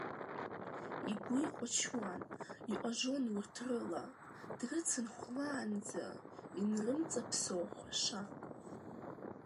Игәы иҟычуан, иҟажон урҭ рыла, дрыцын хәлаанӡа инрымҵаԥсо хәашак.